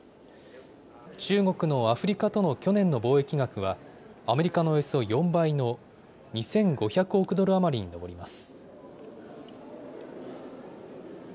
中国のアフリカとの去年の貿易額は、アメリカのおよそ４倍の２５００億ドル余りに上ります。